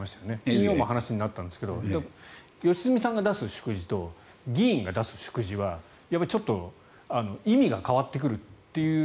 金曜も話になったんですけど良純さんが出す祝辞と議員が出す祝辞はちょっと意味が変わってくるという。